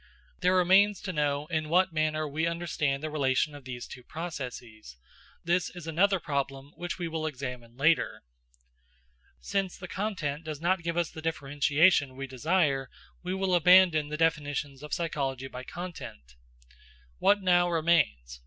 There remains to know in what manner we understand the relation of these two processes: this is another problem which we will examine later. Since the content does not give us the differentiation we desire, we will abandon the definitions of psychology by content. What now remains?